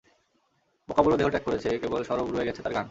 বোকা বুড়ো দেহ ত্যাগ করেছে, কেবল সরব রয়ে গেছে তার গান।